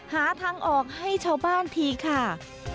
หาทางออกให้ชาวบ้านทีค่ะ